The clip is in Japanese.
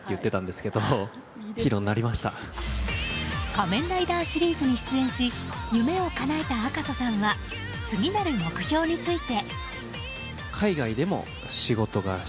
「仮面ライダー」シリーズに出演し夢をかなえた赤楚さんは次なる目標について。